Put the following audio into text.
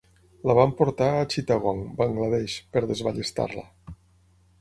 La van portar a Chittagong, Bangladesh, per desballestar-la.